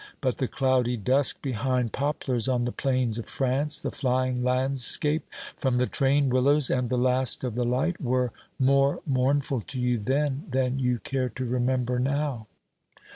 But the cloudy dusk behind poplars on the plains of France, the flying landscape from the train, willows, and the last of the light, were more mournful to you then than you care to remember now.